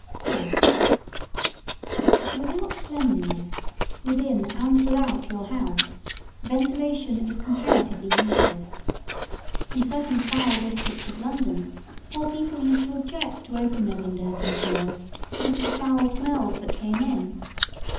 [Sidenote: Cleanliness.] 4. Without cleanliness, within and without your house, ventilation is comparatively useless. In certain foul districts of London, poor people used to object to open their windows and doors because of the foul smells that came in.